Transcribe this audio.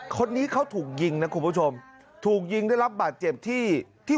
คนนี้เขาถูกยิงนะคุณผู้ชมถูกยิงได้รับบาดเจ็บที่ที่